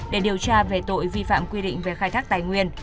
để điều tra về tội vi phạm quy định về khai thác tài nguyên